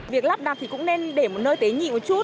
việc lắp đặt thì cũng nên để một nơi tế nhị một chút